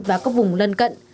và các vùng lân cận